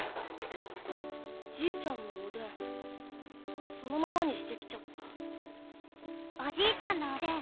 じいちゃんのおでんそのままにしてきちゃったおじいちゃんのおでん